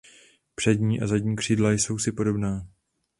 Přední a zadní křídla jsou si podobná.